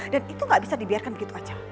dan itu gak bisa dibiarkan begitu aja